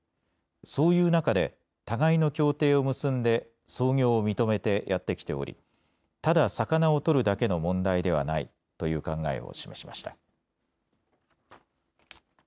そういう中で互いの協定を結んで操業を認めてやってきておりただ魚を取るだけの問題ではないという考えを示しました。